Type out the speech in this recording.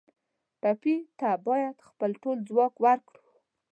ټپي ته باید خپل ټول ځواک ورکړو.